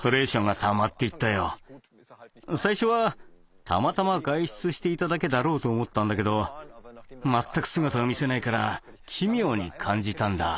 最初は「たまたま外出していただけだろう」と思ったんだけど全く姿を見せないから奇妙に感じたんだ。